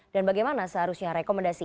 dan bagaimana seharusnya rekomendasi